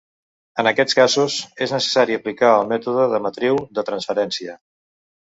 En aquests casos, és necessari aplicar el mètode de matriu de transferència.